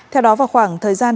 theo đó vào khoảng thời gian